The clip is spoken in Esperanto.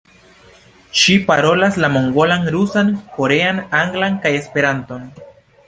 Ŝi parolas la mongolan, rusan, korean, anglan kaj Esperanton.